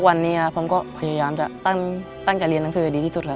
วันนี้ผมก็พยายามจะตั้งใจเรียนหนังสือให้ดีที่สุดแล้ว